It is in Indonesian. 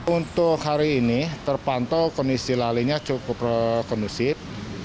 untuk hari ini terpantau kondisi lalinya cukup kondusif